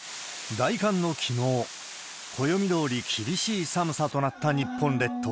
大寒のきのう、暦どおり、厳しい寒さとなった日本列島。